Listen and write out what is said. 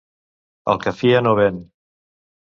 El que fia no ven.